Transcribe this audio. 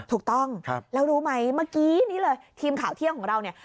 ถูกต้องแล้วรู้ไหมเมื่อกี้นี้เลยทีมข่าวเที่ยงของเราเนี่ย